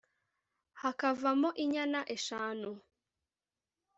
hakavamo inyana eshanu